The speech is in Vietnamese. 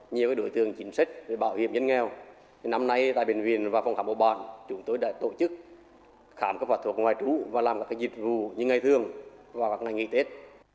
năm nay tại bệnh viện và phòng khám bộ bàn chúng tôi đã tổ chức khám các phạt thuộc ngoài trú và làm các dịch vụ như ngày thương và các ngày nghỉ tết